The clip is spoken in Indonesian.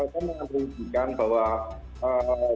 kami mengambil ujikan bahwa eee